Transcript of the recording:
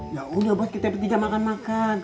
ya udah bos kita bertiga makan makan